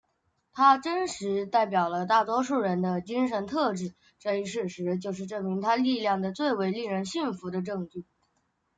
他真实代表了大多数人的精神特质这一事实就是证明他力量的最为令人信服的证据。